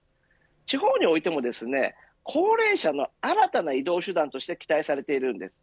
地方においてもですね高齢者の新たな移動手段として期待されているんです。